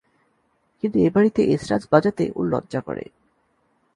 কিন্তু এ বাড়িতে এসরাজ বাজাতে ওর লজ্জা করে।